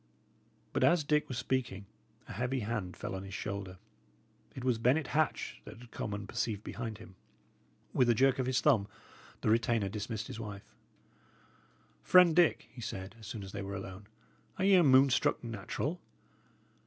But as Dick was speaking, a heavy hand fell on his shoulder. It was Bennet Hatch that had come unperceived behind him. With a jerk of his thumb, the retainer dismissed his wife. "Friend Dick," he said, as soon as they were alone, "are ye a moon struck natural?